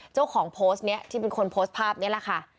เจ้าของโพสต์นี้ที่เป็นคนโพสต์ภาพนี้แหละค่ะ